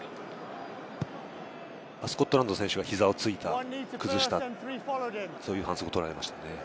スコットランドの選手が膝をついた、崩した、そういう反則を取られましたね。